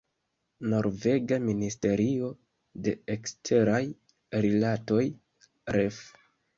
Norvega ministerio de eksteraj rilatoj, ref.